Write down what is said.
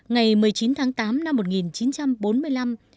ngày một mươi chín tháng tám năm một nghìn chín trăm bốn mươi năm